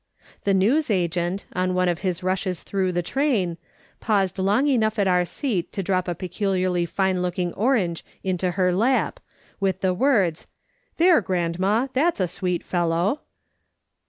The newsagent, on one of his rushes through the train, paused long enough at our seat to drop a particularly fine looking orange into her lap, with the words:.' " There, grandma, that's a sweet fellow."